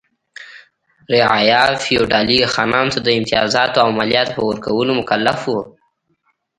رعایا فیوډالي خانانو ته د امتیازاتو او مالیاتو په ورکولو مکلف و.